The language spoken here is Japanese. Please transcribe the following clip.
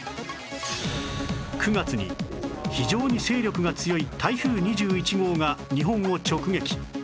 ９月に非常に勢力が強い台風２１号が日本を直撃